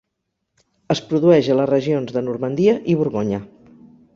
Es produeix a les regions de Normandia i Borgonya.